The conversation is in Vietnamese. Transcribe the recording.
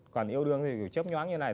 còn yêu đương thì kiểu chấp nhoáng như thế này